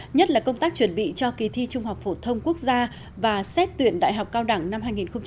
nhất là công tác chuẩn bị cho kỳ thi trung học phổ thông quốc gia và xét tuyển đại học cao đẳng năm hai nghìn hai mươi